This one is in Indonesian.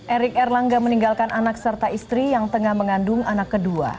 erik erlangga meninggalkan anak serta istri yang tengah mengandung anak kedua